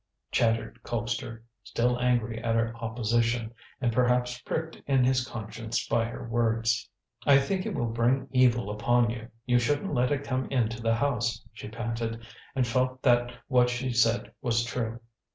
chattered Colpster, still angry at her opposition, and perhaps pricked in his conscience by her words. "I think it will bring evil upon you. You shouldn't let it come into the house," she panted, and felt that what she said was true.